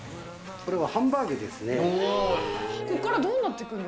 これはハンバーグですね。